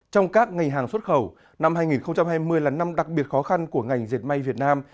trong các ngành hàng xuất khẩu năm hai nghìn hai mươi là năm đặc biệt khó khăn của ngành dệt may việt nam